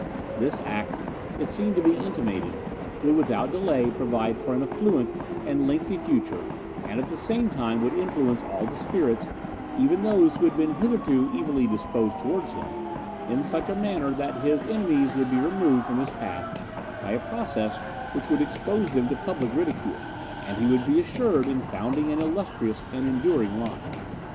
This act, it seemed to be intimated, would without delay provide for an affluent and lengthy future, and at the same time would influence all the spirits even those who had been hitherto evilly disposed towards him in such a manner that his enemies would be removed from his path by a process which would expose them to public ridicule, and he would be assured in founding an illustrious and enduring line.